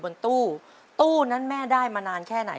บานประตูนี้มีผ้าม่านอะไรยังไง